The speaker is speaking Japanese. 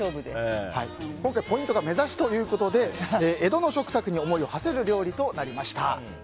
今回、ポイントがめざしということで江戸の食卓に思いをはせる料理となりました。